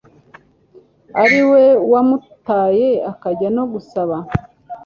ari we wamutaye akajya no gusaba